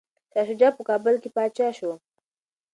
شاه شجاع په کابل کي پاچا شو.